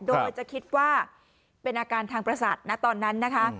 โดยจะคิดว่าเป็นอาการทางประสาทนะตอนนั้นนะคะ